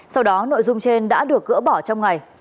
sau đó nội dung trên đã được gỡ bỏ trong ngày